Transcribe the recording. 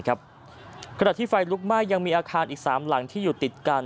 ขณะที่ไฟลุกไหม้ยังมีอาคารอีก๓หลังที่อยู่ติดกัน